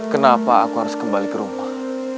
kenapa aku harus kembali ke rumah